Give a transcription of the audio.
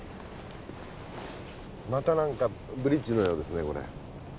また何かブリッジのようですねこれ。